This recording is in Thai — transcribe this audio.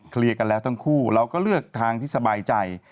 กันแล้วทั้งคู่เราก็เลือกทางที่สบายใจ